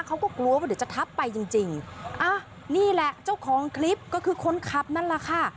เขาก็กลัวว่าเดี๋ยวจะทับไปจริงจริงอ่ะนี่แหละเจ้าของคลิปก็คือคนขับนั่นแหละค่ะ